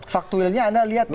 faktualnya anda lihat ya